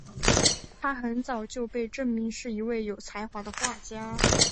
她很早就被证明是一位有才华的画家。